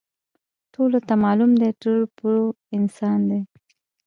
ټولو ته معلوم دی، ټرو پرو انسان دی.